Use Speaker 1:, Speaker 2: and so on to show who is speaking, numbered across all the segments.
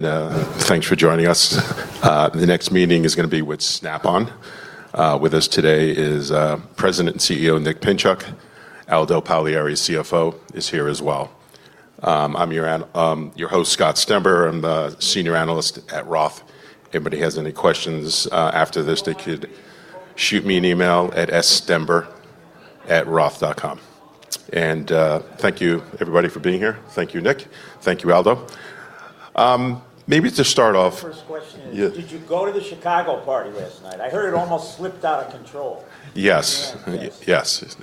Speaker 1: Thanks for joining us. The next meeting is gonna be with Snap-on. With us today is President and CEO Nick Pinchuk. Aldo Pagliari, CFO, is here as well. I'm your host, Scott Stember. I'm the senior analyst at Roth. If anybody has any questions after this, they could shoot me an email at sstember@roth.com. Thank you everybody for being here. Thank you, Nick. Thank you, Aldo. Maybe to start off.
Speaker 2: First question is.
Speaker 1: Yeah.
Speaker 2: Did you go to the Chicago party last night? I heard it almost slipped out of control.
Speaker 1: Yes. Yes.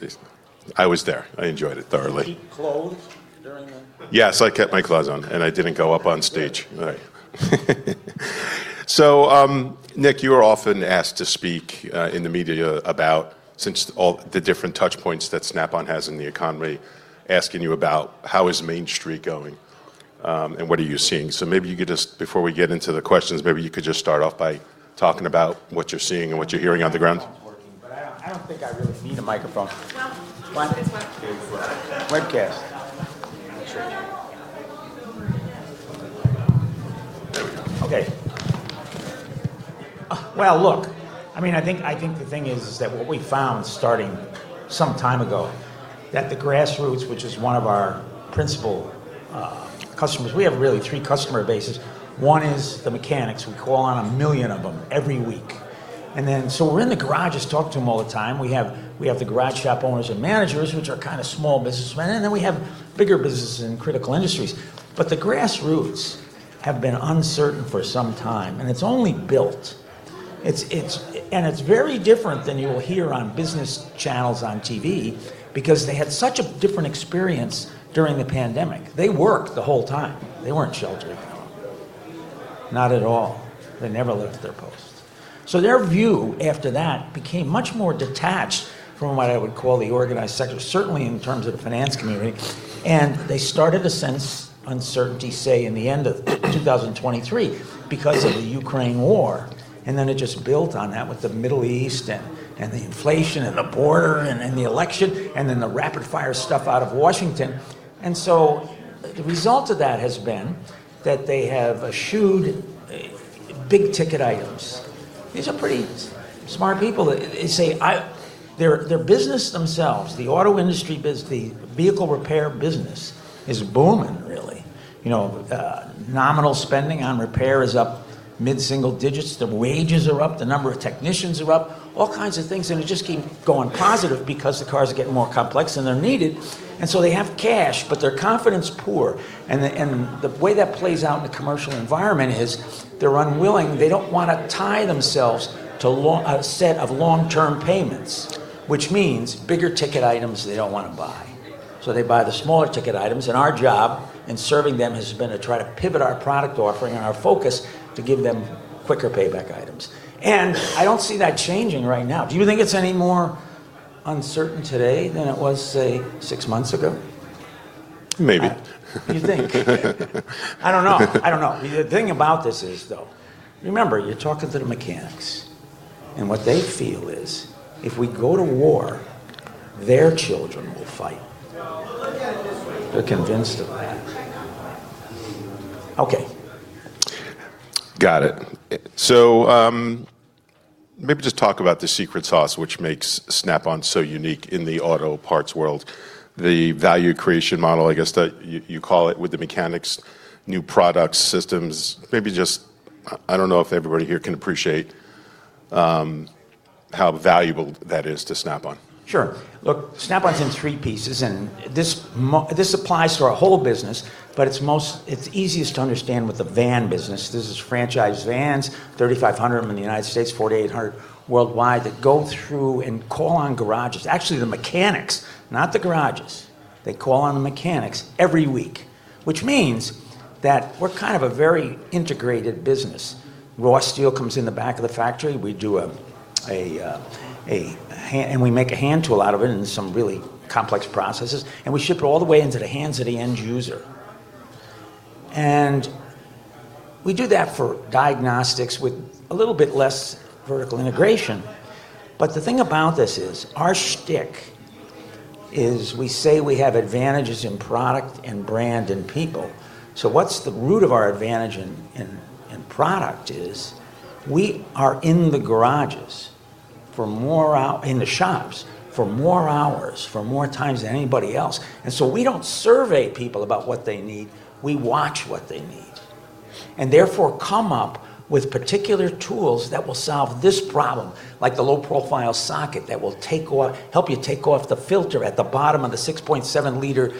Speaker 1: I was there. I enjoyed it thoroughly.
Speaker 2: Did you keep clothes during the?
Speaker 1: Yes, I kept my clothes on, and I didn't go up on stage.
Speaker 2: Good.
Speaker 1: Right. Nick, you are often asked to speak in the media about all the different touch points that Snap-on has in the economy, asking you about how is Main Street going, and what are you seeing. Maybe you could just, before we get into the questions, maybe you could just start off by talking about what you're seeing and what you're hearing on the ground.
Speaker 2: Well, look, I mean, I think the thing is that what we found starting some time ago, that the grassroots, which is one of our principal customers. We have really three customer bases. One is the mechanics. We call on a million of them every week, and then we're in the garages, talk to them all the time. We have the garage shop owners and managers, which are kinda small businessmen, and then we have bigger businesses in critical industries. The grassroots have been uncertain for some time, and it's only built. It's very different than you will hear on business channels on TV because they had such a different experience during the pandemic. They worked the whole time. They weren't sheltered, not at all. They never left their posts. Their view after that became much more detached from what I would call the organized sector, certainly in terms of the finance community. They started to sense uncertainty, say, in the end of 2023 because of the Ukraine war, and then it just built on that with the Middle East and the inflation and the border and the election and then the rapid fire stuff out of Washington. The result of that has been that they have eschewed big ticket items. These are pretty smart people. They say their business themselves, the auto industry, the vehicle repair business is booming really. You know, nominal spending on repair is up mid-single digits. The wages are up. The number of technicians are up. All kinds of things, and it just keep going positive because the cars are getting more complex and they're needed, and so they have cash, but their confidence poor, and the way that plays out in the commercial environment is they're unwilling. They don't wanna tie themselves to a set of long-term payments, which means bigger ticket items they don't wanna buy. So they buy the smaller ticket items, and our job in serving them has been to try to pivot our product offering and our focus to give them quicker payback items. I don't see that changing right now. Do you think it's any more uncertain today than it was, say, six months ago?
Speaker 1: Maybe.
Speaker 2: You think? I don't know. The thing about this is, though, remember, you're talking to the mechanics, and what they feel is if we go to war, their children will fight. They're convinced of that. Okay.
Speaker 1: Got it. Maybe just talk about the secret sauce which makes Snap-on so unique in the auto parts world, the value creation model, I guess, that you call it with the mechanics, new products, systems. I don't know if everybody here can appreciate how valuable that is to Snap-on.
Speaker 2: Sure. Look, Snap-on's in three pieces, and this applies to our whole business, but it's easiest to understand with the van business. This is franchise vans, 3,500 of them in the U.S., 4,800 worldwide, that go through and call on garages. Actually, the mechanics, not the garages. They call on the mechanics every week, which means that we're kind of a very integrated business. Raw steel comes in the back of the factory. We make a hand tool out of it in some really complex processes, and we ship it all the way into the hands of the end user. We do that for diagnostics with a little bit less vertical integration. The thing about this is, our shtick is we say we have advantages in product and brand and people. What's the root of our advantage in product is we are in the shops for more hours, for more times than anybody else. We don't survey people about what they need. We watch what they need, and therefore come up with particular tools that will solve this problem, like the low-profile socket that will help you take off the filter at the bottom of the 6.7-liter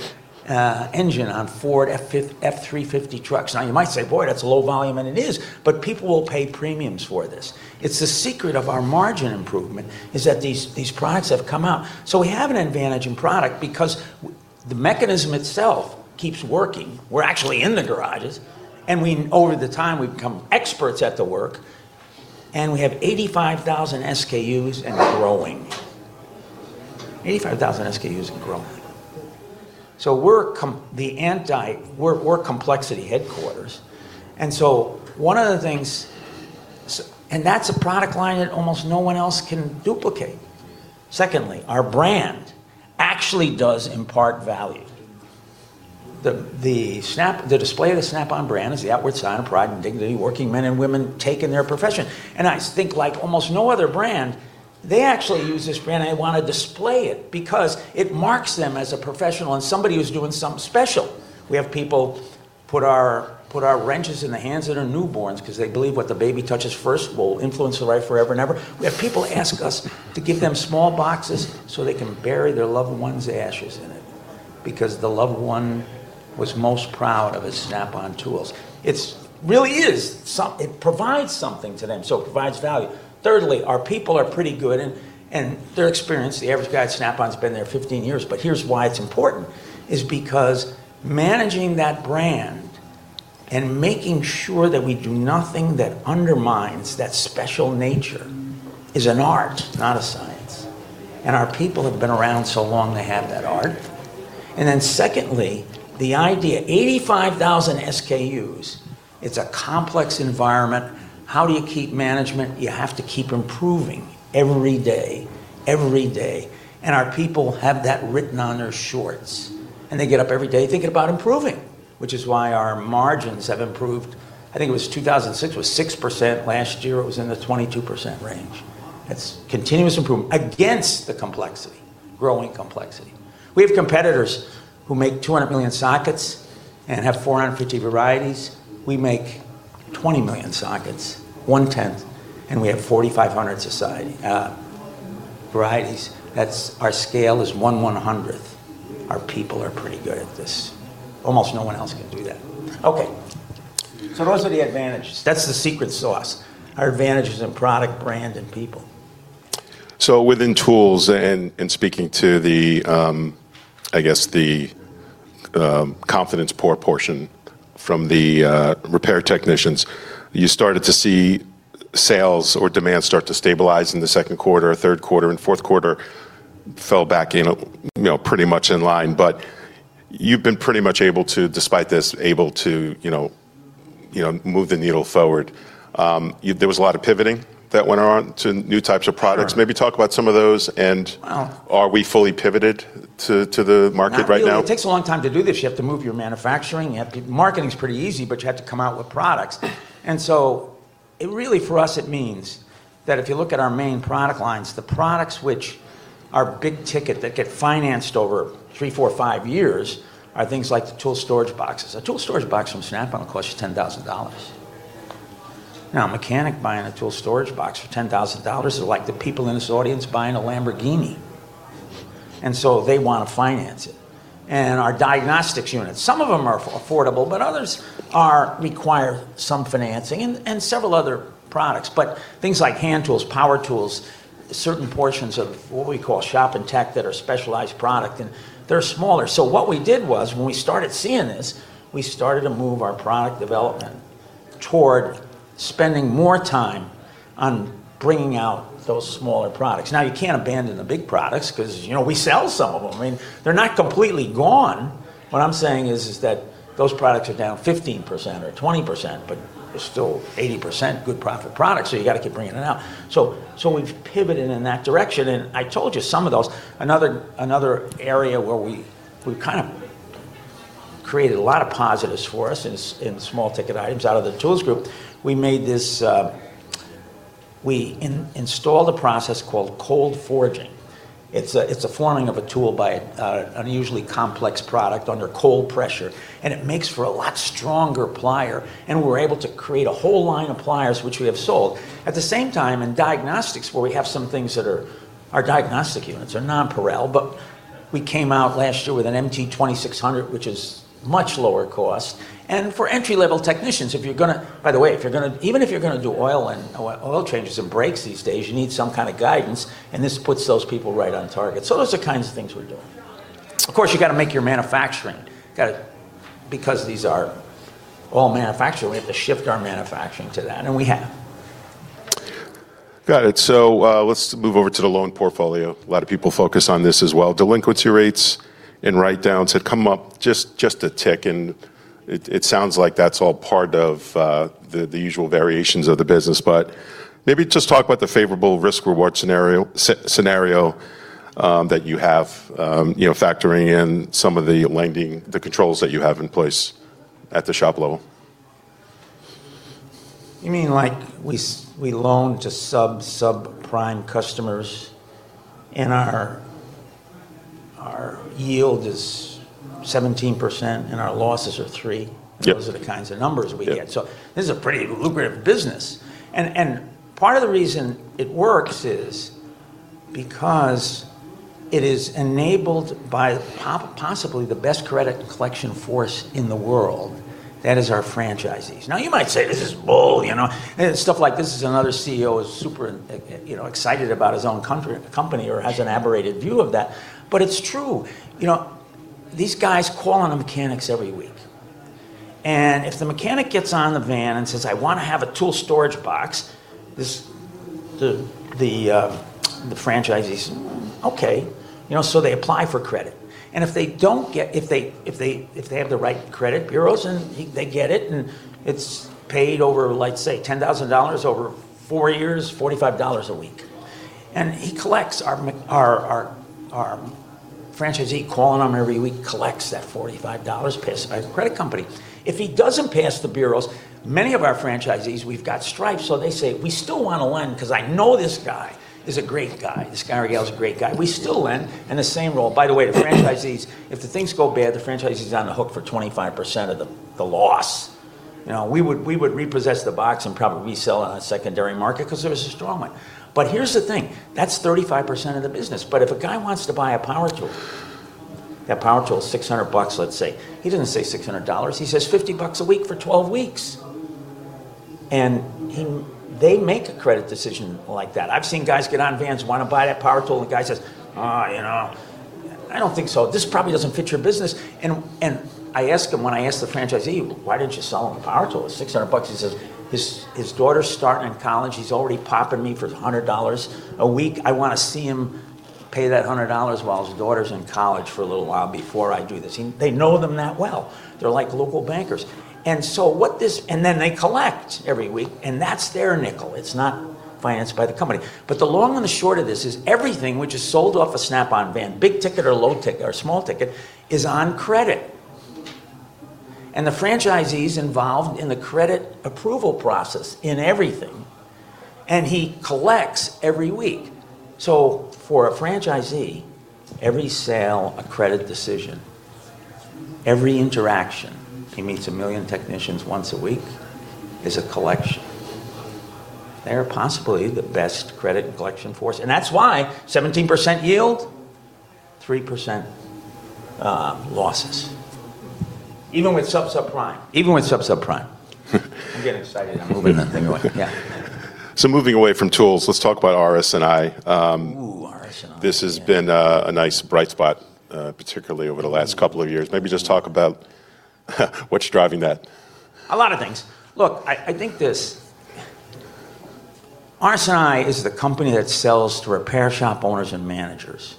Speaker 2: engine on Ford F-350 trucks. Now, you might say, "Boy, that's low volume," and it is, but people will pay premiums for this. It's the secret of our margin improvement, is that these products have come out. We have an advantage in product because the mechanism itself keeps working. We're actually in the garages, and we, over time, we've become experts at the work, and we have 85,000 SKUs and growing. We're complexity headquarters. That's a product line that almost no one else can duplicate. Secondly, our brand actually does impart value. The display of the Snap-on brand is the outward sign of pride and dignity working men and women take in their profession. I think like almost no other brand, they actually use this brand, and they wanna display it because it marks them as a professional and somebody who's doing something special. We have people put our wrenches in the hands of newborns 'cause they believe what the baby touches first will influence their life forever and ever. We have people ask us to give them small boxes so they can bury their loved one's ashes in it because the loved one was most proud of his Snap-on tools. It really is. It provides something to them, so it provides value. Thirdly, our people are pretty good and they're experienced. The average guy at Snap-on's been there 15 years. Here's why it's important is because managing that brand and making sure that we do nothing that undermines that special nature is an art, not a science, and our people have been around so long they have that art. Secondly, the idea, 85,000 SKUs, it's a complex environment. How do you keep management? You have to keep improving every day, and our people have that written on their shorts, and they get up every day thinking about improving, which is why our margins have improved. I think it was 2006, it was 6%. Last year, it was in the 22% range. That's continuous improvement against the complexity, growing complexity. We have competitors who make 200 million sockets and have 450 varieties. We make 20 million sockets, one-tenth, and we have 4,500 varieties. That's our scale is one one-hundredth. Our people are pretty good at this. Almost no one else can do that. Okay. So those are the advantages. That's the secret sauce. Our advantage is in product, brand, and people.
Speaker 1: Within tools and speaking to the confidence-poor portion from the repair technicians, you started to see sales or demand start to stabilize in the second quarter, third quarter, and fourth quarter fell back in, you know, pretty much in line. You've been pretty much able to, despite this, you know, move the needle forward. There was a lot of pivoting that went on to new types of products.
Speaker 2: Sure.
Speaker 1: Maybe talk about some of those and.
Speaker 2: Well-
Speaker 1: Are we fully pivoted to the market right now?
Speaker 2: Not really. It takes a long time to do this. You have to move your manufacturing. Marketing's pretty easy, but you have to come out with products. It really for us it means that if you look at our main product lines, the products which are big ticket that get financed over 3, 4, 5 years are things like the tool storage boxes. A tool storage box from Snap-on will cost you $10,000. Now, a mechanic buying a tool storage box for $10,000 is like the people in this audience buying a Lamborghini, and so they wanna finance it. Our diagnostics units, some of them are affordable, but others are require some financing and several other products. Things like hand tools, power tools, certain portions of what we call shop and tech that are specialized product, and they're smaller. What we did was when we started seeing this, we started to move our product development toward spending more time on bringing out those smaller products. Now, you can't abandon the big products 'cause, you know, we sell some of them. I mean, they're not completely gone. What I'm saying is that those products are down 15% or 20%, but they're still 80% good profit products, so you gotta keep bringing it out. We've pivoted in that direction, and I told you some of those. Another area where we kind of created a lot of positives for us in small ticket items out of the tools group, we installed the process called cold forging. It's a forming of a tool, an unusually complex product, under cold pressure, and it makes for a lot stronger pliers, and we're able to create a whole line of pliers which we have sold. At the same time, in diagnostics, where we have some things that are our diagnostic units are unparalleled, but we came out last year with an MT2600, which is much lower cost. For entry-level technicians, even if you're gonna do oil changes and brakes these days, you need some kind of guidance, and this puts those people right on target. Those are kinds of things we're doing. Of course, you gotta make your manufacturing. Because these are all manufactured, we have to shift our manufacturing to that, and we have.
Speaker 1: Got it. Let's move over to the loan portfolio. A lot of people focus on this as well. Delinquency rates and write-downs had come up just a tick, and it sounds like that's all part of the usual variations of the business. Maybe just talk about the favorable risk-reward scenario that you have, you know, factoring in some of the lending, the controls that you have in place at the shop level.
Speaker 2: You mean like we loan to sub-prime customers, and our yield is 17% and our losses are 3%?
Speaker 1: Yep.
Speaker 2: Those are the kinds of numbers we get.
Speaker 1: Yep.
Speaker 2: This is a pretty lucrative business. Part of the reason it works is because it is enabled by possibly the best credit collection force in the world. That is our franchisees. Now, you might say, "This is bull," you know. Stuff like this is another CEO super, you know, excited about his own company or has an aberrant view of that. But it's true. You know, these guys call on the mechanics every week, and if the mechanic gets on the van and says, "I wanna have a tool storage box," the franchisee, "Okay." You know, they apply for credit. And if they have the right credit bureaus and they get it, and it's paid over, let's say, $10,000 over four years, $45 a week. Our franchisee, calling them every week, collects that $45, pays a credit company. If he doesn't pass the bureaus, many of our franchisees, we've got stripes, so they say, "We still wanna lend because I know this guy is a great guy. This guy, Aldo's a great guy. We still lend," and the same rule. By the way, the franchisees, if the things go bad, the franchisee's on the hook for 25% of the loss. You know, we would repossess the box and probably resell on a secondary market 'cause it was a strong one. Here's the thing, that's 35% of the business. If a guy wants to buy a power tool, that power tool is $600, let's say. He doesn't say $600, he says $50 a week for 12 weeks. They make a credit decision like that. I've seen guys get on vans, wanna buy that power tool, and the guy says, "You know, I don't think so. This probably doesn't fit your business." I ask him, when I ask the franchisee, "Why didn't you sell him the power tool? It's $600." He says, his daughter's starting college, he's already popping me for $100 a week. I wanna see him pay that $100 while his daughter's in college for a little while before I do this. They know them that well. They're like local bankers. They collect every week, and that's their nickel. It's not financed by the company. The long and the short of this is everything which is sold off a Snap-on van, big ticket or small ticket, is on credit. The franchisee's involved in the credit approval process in everything, and he collects every week. For a franchisee, every sale, a credit decision, every interaction, he meets a million technicians once a week, is a collection. They're possibly the best credit and collection force. That's why 17% yield, 3% losses. Even with sub-prime. I'm getting excited. I'm moving that thing away. Yeah.
Speaker 1: Moving away from tools, let's talk about RS&I.
Speaker 2: Ooh, RS&I. Yeah.
Speaker 1: This has been a nice bright spot, particularly over the last couple of years. Maybe just talk about what's driving that.
Speaker 2: A lot of things. Look, I think this. RS&I is the company that sells to repair shop owners and managers.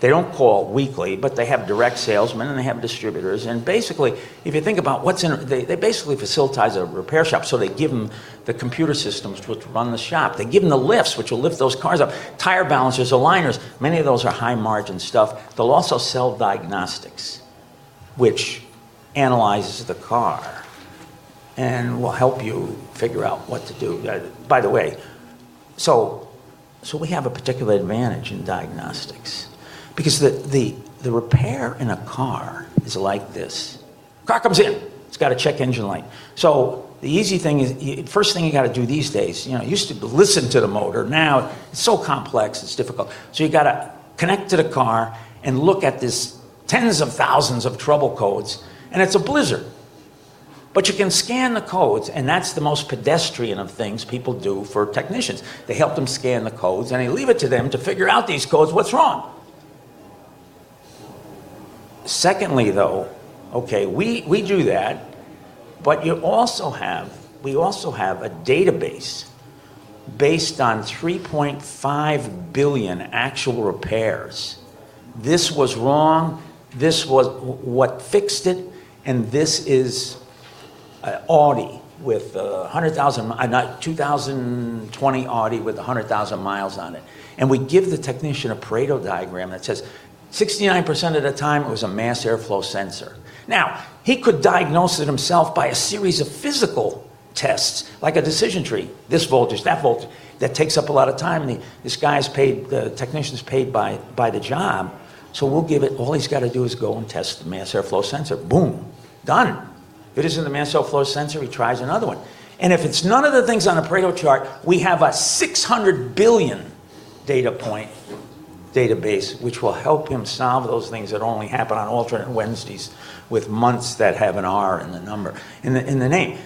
Speaker 2: They don't call weekly, but they have direct salesmen and they have distributors. Basically, if you think about what's in. They basically facilitate a repair shop, so they give them the computer systems to run the shop. They give them the lifts, which will lift those cars up. Tire balancers, aligners. Many of those are high-margin stuff. They'll also sell diagnostics, which analyzes the car and will help you figure out what to do. By the way, we have a particular advantage in diagnostics because the repair in a car is like this. Car comes in. It's got a check engine light. The easy thing is first thing you gotta do these days, you know, you used to listen to the motor. Now it's so complex, it's difficult. You gotta connect to the car and look at these tens of thousands of trouble codes, and it's a blizzard. You can scan the codes, and that's the most pedestrian of things people do for technicians. They help them scan the codes, and they leave it to them to figure out these codes, what's wrong. Secondly, though, okay, we do that, but we also have a database based on 3.5 billion actual repairs. This was wrong, this was what fixed it, and this is 2020 Audi with 100,000 miles on it. We give the technician a Pareto diagram that says 69% of the time it was a mass airflow sensor. Now, he could diagnose it himself by a series of physical tests, like a decision tree. This voltage, that voltage. That takes up a lot of time, and this guy's paid by the job. We'll give it. All he's gotta do is go and test the mass airflow sensor. Boom. Done. If it isn't the mass airflow sensor, he tries another one. If it's none of the things on a Pareto chart, we have a 600 billion data point database which will help him solve those things that only happen on alternate Wednesdays with months that have an R in the number in the name.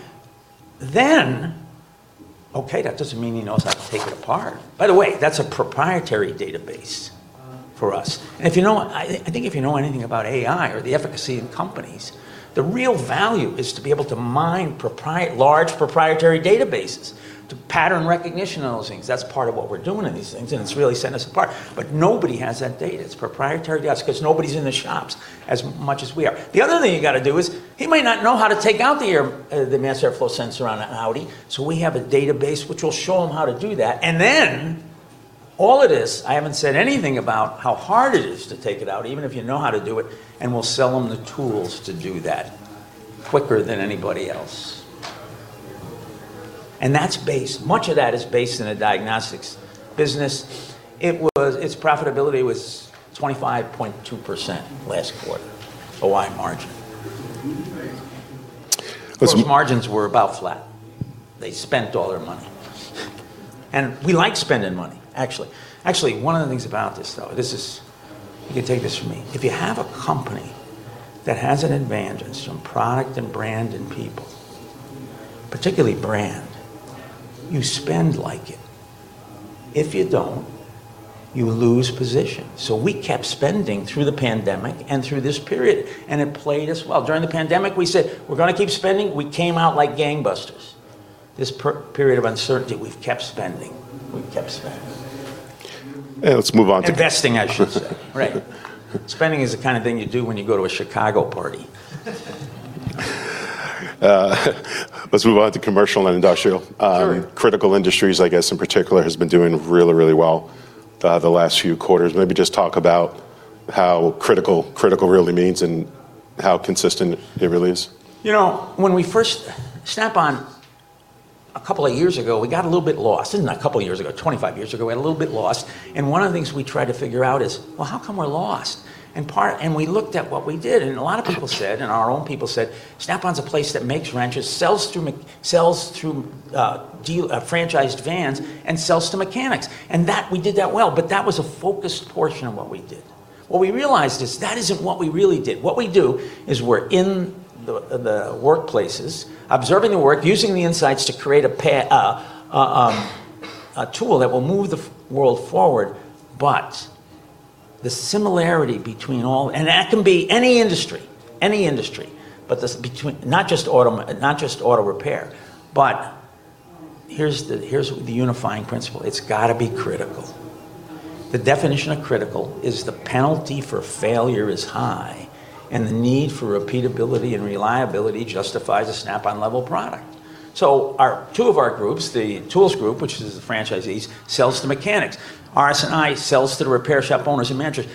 Speaker 2: Okay, that doesn't mean he knows how to take it apart. By the way, that's a proprietary database for us. If you know I think if you know anything about AI or the efficacy in companies, the real value is to be able to mine large proprietary databases to pattern recognition on those things. That's part of what we're doing in these things, and it's really setting us apart. Nobody has that data. It's proprietary to us 'cause nobody's in the shops as much as we are. The other thing you gotta do is, he might not know how to take out the mass airflow sensor on an Audi, so we have a database which will show him how to do that. All it is, I haven't said anything about how hard it is to take it out, even if you know how to do it, and we'll sell him the tools to do that quicker than anybody else. Much of that is based in the diagnostics business. Its profitability was 25.2% last quarter, OI margin.
Speaker 1: Because-
Speaker 2: Gross margins were about flat. They spent all their money. We like spending money, actually. Actually, one of the things about this, though, this is. You can take this from me. If you have a company that has an advantage from product and brand and people, particularly brand, you spend like it. If you don't, you lose position. We kept spending through the pandemic and through this period, and it paid us well. During the pandemic, we said, "We're gonna keep spending." We came out like gangbusters. This period of uncertainty, we've kept spending.
Speaker 1: Let's move on to.
Speaker 2: Investing, I should say. Right. Spending is the kind of thing you do when you go to a Chicago party.
Speaker 1: Let's move on to Commercial and Industrial.
Speaker 2: Sure.
Speaker 1: Critical industries, I guess, in particular, has been doing really well, the last few quarters. Maybe just talk about how critical really means and how consistent it really is.
Speaker 2: You know, Snap-on, a couple of years ago, we got a little bit lost. It isn't a couple of years ago, 25 years ago, we got a little bit lost, and one of the things we tried to figure out is, "Well, how come we're lost?" We looked at what we did, and a lot of people said, and our own people said, "Snap-on's a place that makes wrenches, sells through franchised vans, and sells to mechanics." That, we did that well, but that was a focused portion of what we did. What we realized is that isn't what we really did. What we do is we're in the workplaces observing the work, using the insights to create a tool that will move the world forward. The similarity between all that can be any industry, but not just auto repair, but here's the unifying principle. It's gotta be critical. The definition of critical is the penalty for failure is high, and the need for repeatability and reliability justifies a Snap-on level product. Two of our groups, the tools group, which is the franchisees, sells to mechanics. RS&I sells to the repair shop owners and managers.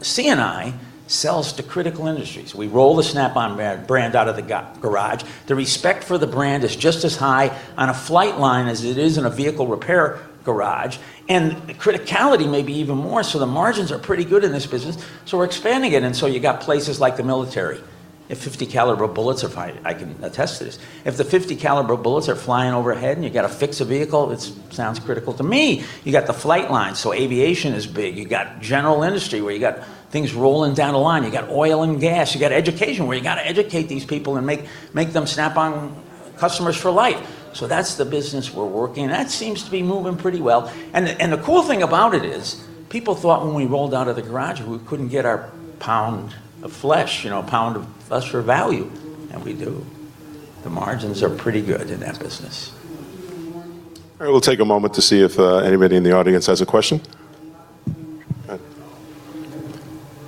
Speaker 2: C&I sells to critical industries. We roll the Snap-on brand out of the garage. The respect for the brand is just as high on a flight line as it is in a vehicle repair garage, and criticality may be even more so. The margins are pretty good in this business, so we're expanding it. You got places like the military. If 50 caliber bullets are flying, I can attest to this. If the 50 caliber bullets are flying overhead and you gotta fix a vehicle, it sounds critical to me. You got the flight line, so aviation is big. You got general industry, where you got things rolling down a line. You got oil and gas. You got education, where you gotta educate these people and make them Snap-on customers for life. That's the business we're working, and that seems to be moving pretty well. The cool thing about it is people thought when we rolled out of the garage, we couldn't get our pound of flesh, you know, pound of flesh for value, and we do. The margins are pretty good in that business.
Speaker 1: All right, we'll take a moment to see if anybody in the audience has a question. Go ahead.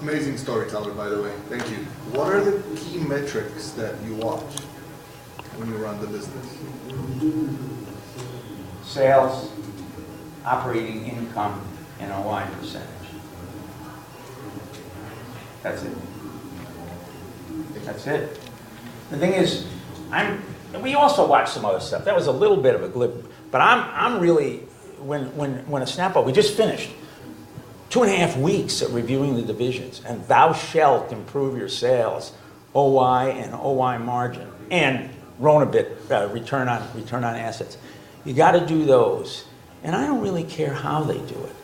Speaker 1: Amazing storyteller, by the way. Thank you. What are the key metrics that you watch when you run the business?
Speaker 2: Sales, operating income, and OI percentage. That's it. The thing is, we also watch some other stuff. That was a little bit of a glib. I'm really. When a Snap-on we just finished 2.5 weeks of reviewing the divisions, and thou shalt improve your sales, OI and OI margin and RONA, return on assets. You gotta do those. I don't really care how they do it.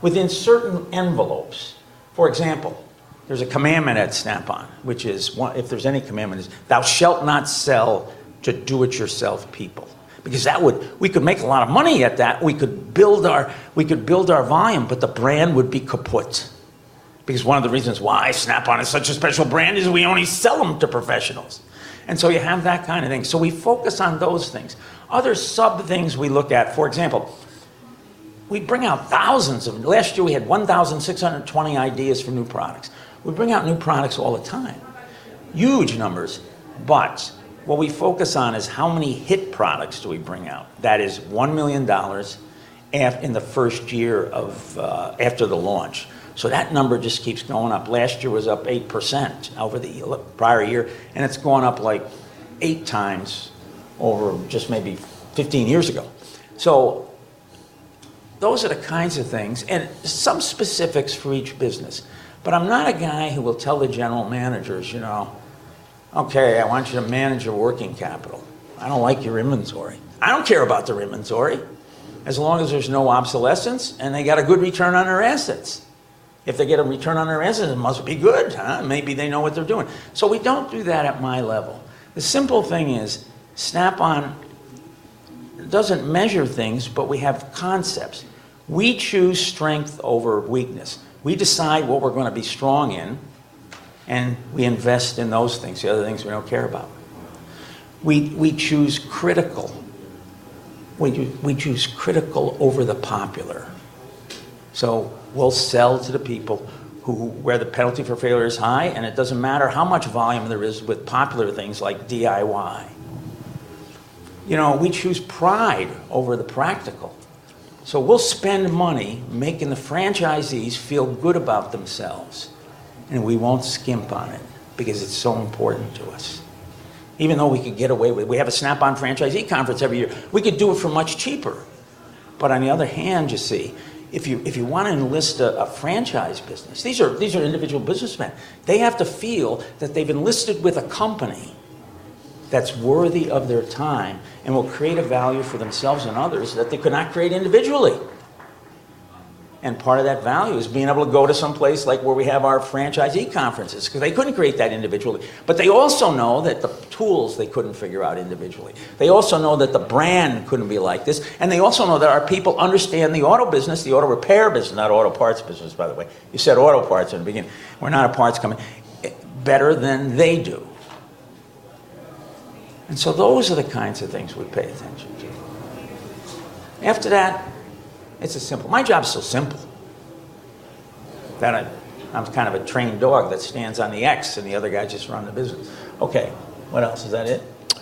Speaker 2: Within certain envelopes, for example, there's a commandment at Snap-on. If there's any commandment, it is thou shalt not sell to do it yourself people because we could make a lot of money at that. We could build our volume, but the brand would be kaput because one of the reasons why Snap-on is such a special brand is we only sell them to professionals. You have that kind of thing. We focus on those things. Other sub things we look at, for example, we bring out thousands of them. Last year, we had 1,620 ideas for new products. We bring out new products all the time. Huge numbers. What we focus on is how many hit products do we bring out. That is $1 million in the first year after the launch. That number just keeps going up. Last year was up 8% over the prior year, and it's gone up like eight times over just maybe 15 years ago. Those are the kinds of things and some specifics for each business. I'm not a guy who will tell the general managers, you know, "Okay, I want you to manage your working capital. I don't like your inventory." I don't care about their inventory as long as there's no obsolescence, and they got a good return on their assets. If they get a return on their assets, it must be good, huh? Maybe they know what they're doing. We don't do that at my level. The simple thing is Snap-on doesn't measure things, but we have concepts. We choose strength over weakness. We decide what we're gonna be strong in, and we invest in those things. The other things we don't care about. We choose critical over the popular. We'll sell to the people where the penalty for failure is high, and it doesn't matter how much volume there is with popular things like DIY. You know, we choose pride over the practical. We'll spend money making the franchisees feel good about themselves, and we won't skimp on it because it's so important to us. Even though we could get away with. We have a Snap-on franchisee conference every year. We could do it for much cheaper. On the other hand, you see, if you wanna enlist a franchise business, these are individual businessmen. They have to feel that they've enlisted with a company that's worthy of their time and will create a value for themselves and others that they could not create individually. Part of that value is being able to go to some place like where we have our franchisee conferences because they couldn't create that individually. They also know that the tools they couldn't figure out individually. They also know that the brand couldn't be like this, and they also know that our people understand the auto business, the auto repair business, not auto parts business, by the way. You said auto parts in the beginning. We're not a parts company. Better than they do. Those are the kinds of things we pay attention to. After that, it's as simple. My job is so simple that I'm kind of a trained dog that stands on the X, and the other guy just run the business. Okay, what else? Is that it?